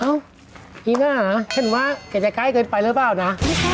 เอ้าอีน่าฉันว่าเกษตรไกลเกินไปแล้วเปล่านะ